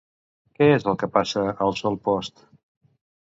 Què és el que passa al sol post?